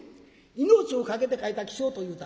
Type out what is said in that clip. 『命を懸けて書いた起請』と言うた。